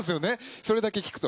それだけ聞くと。